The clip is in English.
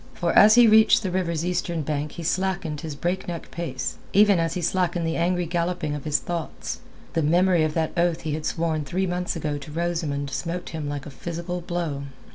For as he reached the river's eastern bank he slackened his breakneck pace, even as he slackened the angry galloping of his thoughts. The memory of that oath he had sworn three months ago to Rosamund smote him like a physical blow.